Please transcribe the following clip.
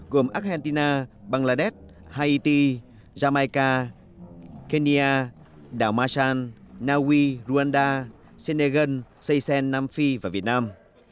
gồm argentina bangladesh haiti jamaica kenya đảo marchand naui rwanda senegal seychelles nam phi và việt nam